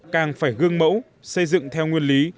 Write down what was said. càng phải gương mẫu xây dựng theo nguyên lý